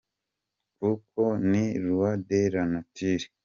Kuko ni loi de la nature.